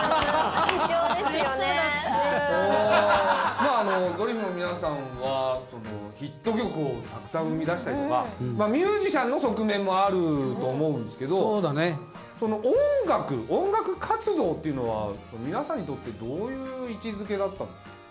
まああのドリフの皆さんはヒット曲をたくさん生み出したりとかミュージシャンの側面もあると思うんですけど音楽音楽活動っていうのは皆さんにとってどういう位置付けだったんですか？